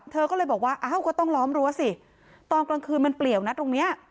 เธอก็เลยบอกว่าอ้าวก็ต้องล้อมรั้วสิตอนกลางคืนมันเปลี่ยวนะตรงเนี้ย